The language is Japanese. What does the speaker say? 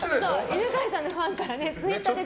犬飼さんのファンからツイッターで